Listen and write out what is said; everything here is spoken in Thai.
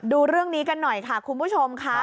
ดูเรื่องนี้กันหน่อยค่ะคุณผู้ชมค่ะ